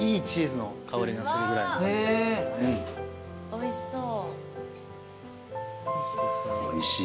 おいしそう。